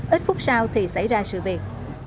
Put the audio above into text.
ít phút sau thì xảy ra sự việc